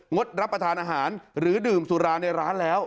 ดรับประทานอาหารหรือดื่มสุราในร้านแล้ว